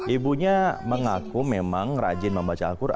ibunya mengaku memang rajin membaca al quran